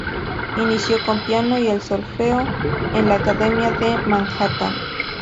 Inició con piano y el solfeo en la academia en Manhattan.